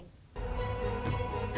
hai phụ nữ lầm